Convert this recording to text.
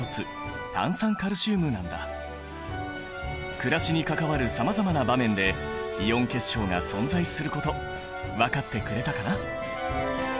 暮らしに関わるさまざまな場面でイオン結晶が存在すること分かってくれたかな？